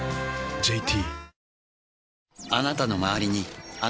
ＪＴ